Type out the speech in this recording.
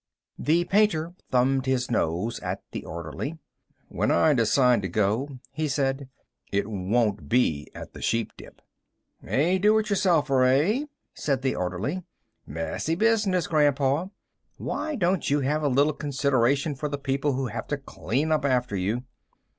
The painter thumbed his nose at the orderly. "When I decide it's time to go," he said, "it won't be at the Sheepdip." "A do it yourselfer, eh?" said the orderly. "Messy business, Grandpa. Why don't you have a little consideration for the people who have to clean up after you?"